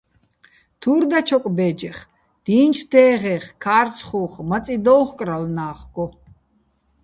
თურ დაჩოკ ბე́ჯეხ, დი́ნჩო̆ დე́ღეხ, ქა́რცხუხ, მაწი დო́უ̆ხკრალო̆ ნა́ხგო.